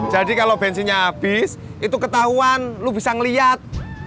jadi kalau bensinnya habis itu ketahuan lo bisa ngeliat